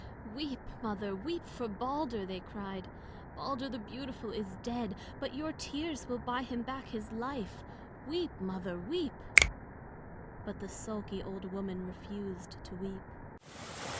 "Weep, mother, weep for Balder!" they cried. "Balder the beautiful is dead, but your tears will buy him back to life. Weep, mother, weep!" But the sulky old woman refused to weep.